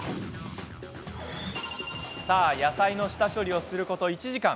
さあ、野菜の下処理をすること１時間。